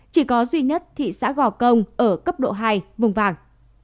chỉ có duy nhất thị xã gò công ở cấp độ hai vùng vàng